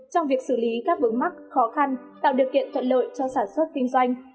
trong việc xử lý các vướng mắc khó khăn tạo điều kiện thuận lợi cho sản xuất kinh doanh